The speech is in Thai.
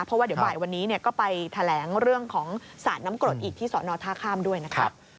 เพราะว่าเดี๋ยวบ่ายวันนี้ก็ไปแถลงเรื่องของสาดน้ำกรดอีกที่สอนอท่าข้ามด้วยนะครับ